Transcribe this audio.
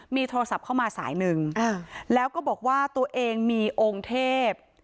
มีโทรศัพท์เข้ามาสายหนึ่งแล้วก็บอกว่าตัวเองมีองค์เทพ